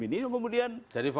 ini kemudian jadi makar